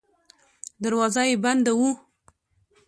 دروازه یې بنده وه.